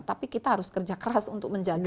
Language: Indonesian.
tapi kita harus kerja keras untuk menjaga